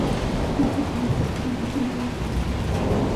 No se conoce su filiación política.